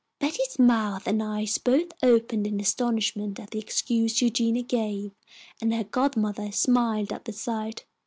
Betty's mouth and eyes both opened in astonishment at the excuse Eugenia gave, and her godmother smiled at the sight.